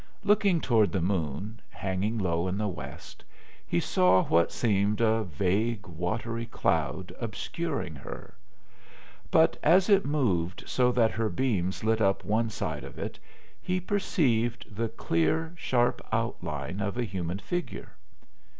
Looking toward the moon, hanging low in the west, he saw what seemed a vague, watery cloud obscuring her; but as it moved so that her beams lit up one side of it he perceived the clear, sharp outline of a human figure.